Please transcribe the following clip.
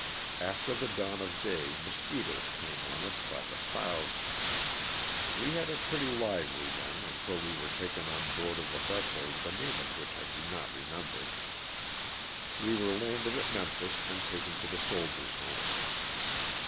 After the dawn of day mosquitoes came on us by the thou sands. We had it pretty lively then until we were taken on board of a vessel the name of which I do not remember. Wo were landed at Memphis and taken to the Soldiers' Home.